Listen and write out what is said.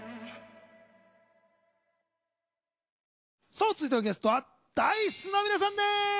さあ続いてのゲストはＤａ−ｉＣＥの皆さんです！